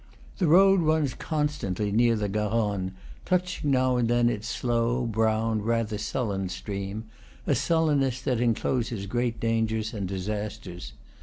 The road runs constantly near the Garonne, touching now and then its slow, brown, rather sullen stream, a sullenness that encloses great dangers and disasters.